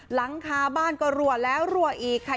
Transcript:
หลังคาบ้านก็รั่วแล้วรั่วอีกค่ะ